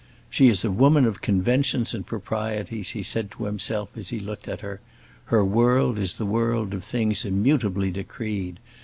"She is a woman of conventions and proprieties," he said to himself as he looked at her; "her world is the world of things immutably decreed.